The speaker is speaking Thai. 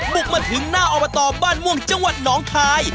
บุกมาถึงหน้าอบตบ้านม่วงจังหวัดหนองคาย